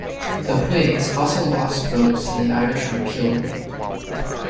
The Whigs also lost votes to the Irish Repeal group.